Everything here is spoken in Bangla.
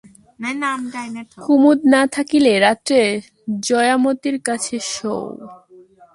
কুমুদ না থাকিলে রাত্রে জয়া মতির কাছে শোয়।